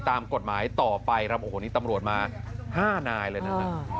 ตามกฎหมายต่อไปตำรวจมา๕นายเลยนะ